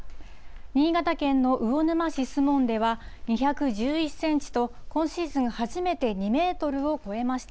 新潟県の魚沼市守門では、２１１センチと、今シーズン初めて２メートルを超えました。